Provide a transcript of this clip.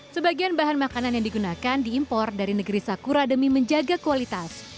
sebagian bahan makanan yang digunakan diimpor dari negeri sakura demi menjaga kualitas